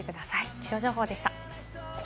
気象情報でした。